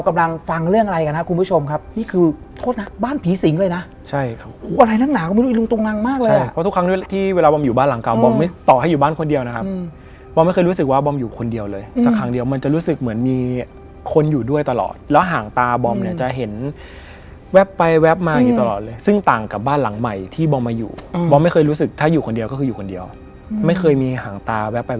อย่างปกติเวลาเราจะไปซื้อบ้านใช่ไหมครับ